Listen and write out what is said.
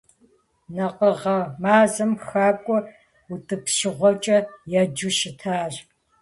Накъыгъэ мазэм хакӀуэ утӀыпщыгъуэкӀи еджэу щытащ.